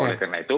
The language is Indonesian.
oleh karena itu